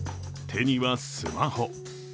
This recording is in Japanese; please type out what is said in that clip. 手にはスマホ。